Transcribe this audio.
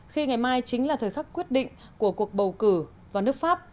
khi ngày mai chính là thời khắc quyết định của cuộc bầu cử vào nước pháp